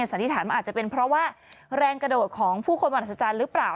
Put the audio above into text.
สันนิษฐานว่าอาจจะเป็นเพราะว่าแรงกระโดดของผู้คนมหัศจรรย์หรือเปล่า